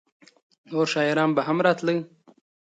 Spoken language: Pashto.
نور شاعران به هم راتله؟